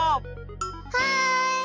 はい！